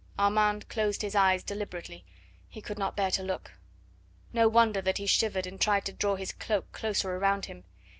Armand closed his eyes deliberately; he could not bear to look. No wonder that he shivered and tried to draw his cloak closer around him.